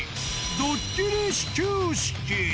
ドッキリ始球式。